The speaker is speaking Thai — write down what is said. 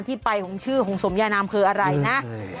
ที่ไปของชื่อของสมยานามคืออะไรนะ